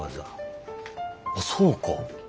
あそうか！